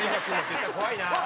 怖いなあ。